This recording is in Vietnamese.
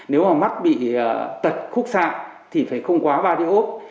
nếu mà mắt bị tật khúc sạng thì phải không quá ba điệu ốp